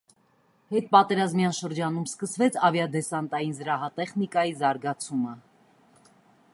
Հետպատերազմյան շրջանում սկսվեց ավիադեսանտային զրահատեխնիկայի զարգացումը։